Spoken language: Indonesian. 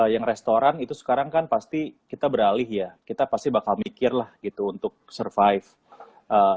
yang restoran itu sekarang kan pasti kita beralih ya kita pasti bakal mikir lah gitu untuk survive